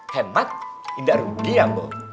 hemat tidak rugi ya bu